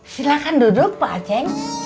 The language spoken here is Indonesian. silahkan duduk pak ceng